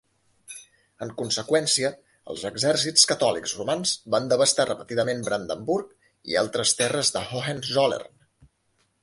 En conseqüència, els exèrcits catòlics romans van devastar repetidament Brandenburg i altres terres de Hohenzollern.